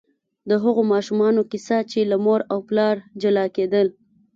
د هغو ماشومانو کیسه چې له مور او پلار جلا کېدل.